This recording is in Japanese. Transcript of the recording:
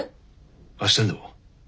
明日にでも。